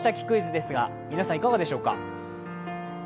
クイズ」ですが、皆さん、いかがでしょうか？